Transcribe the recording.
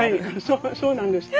そうなんです。